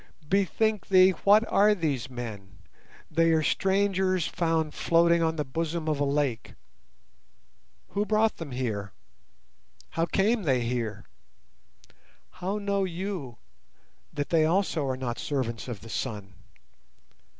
"Bethink thee what are these men? They are strangers found floating on the bosom of a lake. Who brought them here? How came they here? How know you that they also are not servants of the Sun?